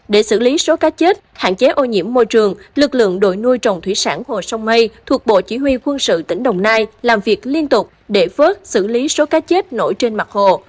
để xử lý số cá chết hạn chế ô nhiễm môi trường lực lượng đội nuôi trồng thủy sản hồ sông mây thuộc bộ chỉ huy quân sự tỉnh đồng nai làm việc liên tục để vớt xử lý số cá chết nổi trên mặt hồ